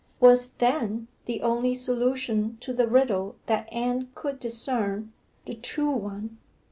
Was, then, the only solution to the riddle that Anne could discern, the true one?